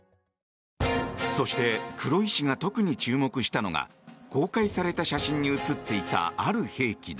そして、黒井氏が特に注目したのが公開された写真に写っていたある兵器だ。